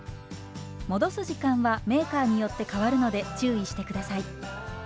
戻す時間はメーカーによって変わるので注意して下さい。